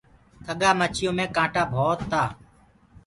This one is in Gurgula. کڳآ مڇيو مي ڪآنٽآ ڀوت تآ۔